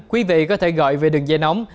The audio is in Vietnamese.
quý vị có thể gọi về đường dây nóng